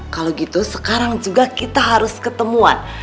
kalau gitu sekarang juga kita harus ketemuan